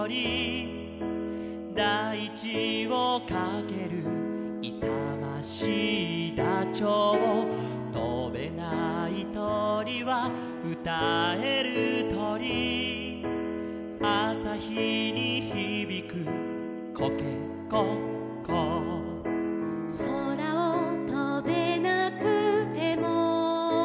「だいちをかける」「いさましいダチョウ」「とべないとりはうたえるとり」「あさひにひびくコケコッコー」「そらをとべなくても」